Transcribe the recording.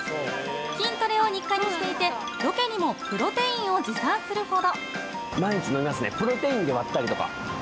筋トレを日課にしていてロケにもプロテインを持参するほど。